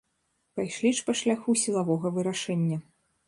Пайшлі ж па шляху сілавога вырашэння.